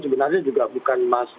sebenarnya juga bukan